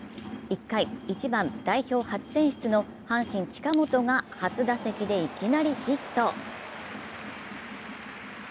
１回、１番・代表初選出の阪神・近本が初打席でいきなりヒット。